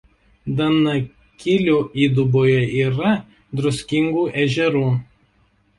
Danakilių įduboje yra druskingų ežerų.